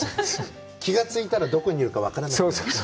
気がついたら、どこにいるか分からない。